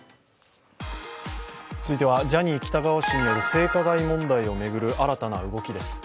続いてはジャニー喜多川氏による性加害問題を巡る新たな動きです。